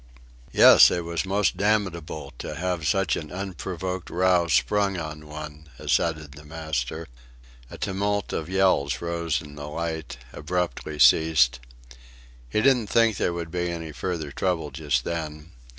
"Yes. It was most damnable to have such an unprovoked row sprung on one," assented the master. ... A tumult of yells rose in the light, abruptly ceased.... He didn't think there would be any further trouble just then....